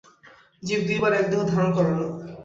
জীব দুইবার এক দেহ ধারণ করে না।